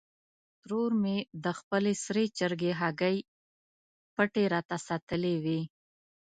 ترور مې د خپلې سرې چرګې هګۍ پټې راته ساتلې وې.